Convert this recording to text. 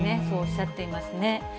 そうおっしゃっていますね。